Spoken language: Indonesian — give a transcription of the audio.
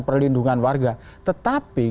perlindungan warga tetapi